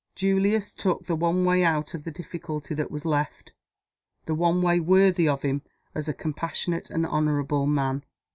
Julius took the one way out of the difficulty that was left the one way worthy of him as a compassionate and an honorable man.